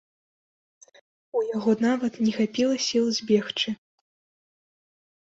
У яго нават не хапіла сіл збегчы.